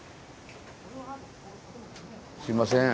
・すいません